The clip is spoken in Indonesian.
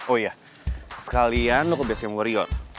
oh iya sekalian lo ke basecamp warrior